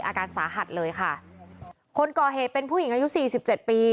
อาการสาหัสเลยค่ะคนก่อเหตุเป็นผู้หญิงอายุสี่สิบเจ็ดปี